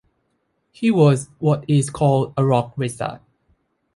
He was what is called a rock lizard.